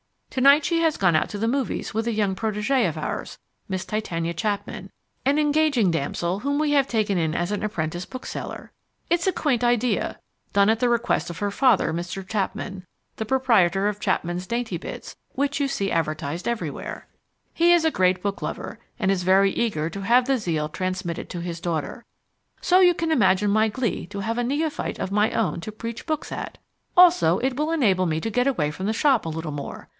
To night she has gone out to the movies with a young protegee of ours, Miss Titania Chapman, an engaging damsel whom we have taken in as an apprentice bookseller. It's a quaint idea, done at the request of her father, Mr. Chapman, the proprietor of Chapman's Daintybits which you see advertised everywhere. He is a great booklover, and is very eager to have the zeal transmitted to his daughter. So you can imagine my glee to have a neophyte of my own to preach books at! Also it will enable me to get away from the shop a little more.